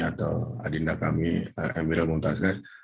atau adinda kami emiral muntazgah